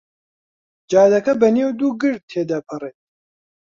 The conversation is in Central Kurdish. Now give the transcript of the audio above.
جادەکە بەنێو دوو گرد تێ دەپەڕێت.